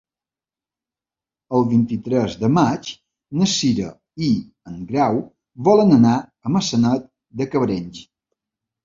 El vint-i-tres de maig na Cira i en Grau volen anar a Maçanet de Cabrenys.